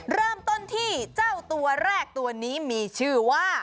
เริ่มต้นที่เจ้าตัวแรกตัวนี้มีชื่อว่า